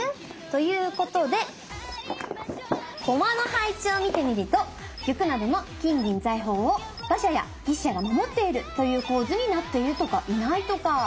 ということで駒の配置を見てみると玉などの金銀財宝を馬車や牛車が守っているという構図になっているとかいないとか。